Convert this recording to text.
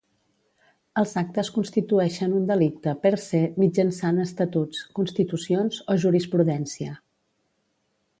Els actes constitueixen un delicte "per se" mitjançant estatuts, constitucions o jurisprudència.